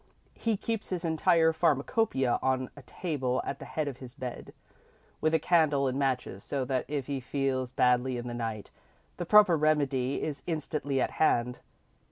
He keeps his entire pharmacopoeia on a table at the head of his bed, with a candle and matches, so that if he feels badly in the night, the proper remedy is instantly at hand.